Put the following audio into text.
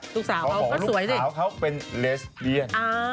ลูกสาวก็สวยสิเขาบอกว่าลูกสาวเขาเป็นเลสเบียน